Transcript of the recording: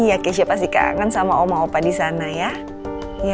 iya keisha pasti kangen sama oma opa disana ya